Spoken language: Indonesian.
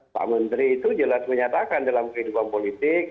pak menteri itu jelas menyatakan dalam kehidupan politik